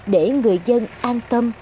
để người dân an tâm